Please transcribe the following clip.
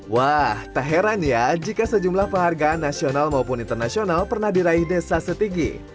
wah tak heran ya jika sejumlah penghargaan nasional maupun internasional pernah diraih desa setigi